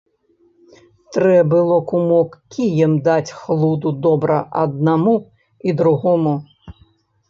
Трэ было, кумок, кіем даць хлуду добра аднаму і другому.